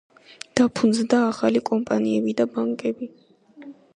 დაფუძნდა ახალი კომპანიები და ბანკები.